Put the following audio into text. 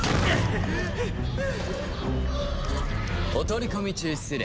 お取り込み中失礼。